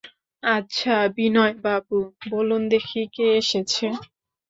আচ্ছা, বিনয়বাবু, বলুন দেখি কে এসেছে?